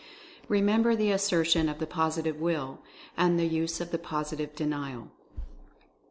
Remember the assertion of the Positive Will, and the use of the Positive Denial!